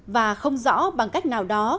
và không rõ bằng cách nào đó